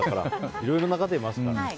いろいろな方がいますから。